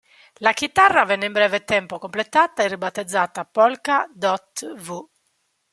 La chitarra venne in breve tempo completata e ribattezzata "Polka Dot V".